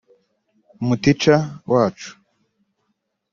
Umutica wacu